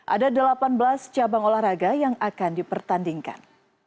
ada delapan belas cabang olahraga yang akan dipertandingkan